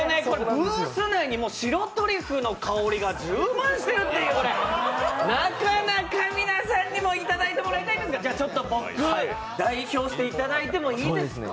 ブース内に白トリュフの香りが充満しているっていう、なかなか皆さんにもいただいてもらいたいですが、ちょっと僕、代表していただいてもいいですか？